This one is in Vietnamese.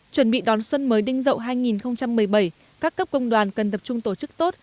chuẩn bị đón xuân mới đinh dậu hai nghìn một mươi bảy các cấp công đoàn cần tập trung tổ chức tốt